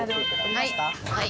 はい。